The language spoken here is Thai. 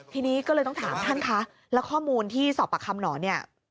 ทีนี้ก็เลยต้องถามท่านคะแล้วข้อมูลที่สอบปากคำหนอนเนี่ย